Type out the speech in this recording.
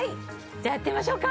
じゃあやってみましょうか。